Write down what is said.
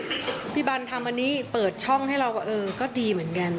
เพราะฉะนั้นก็วันนี้พี่บัลทำวันนี้เปิดช่องให้เราก็ดีเหมือนกัน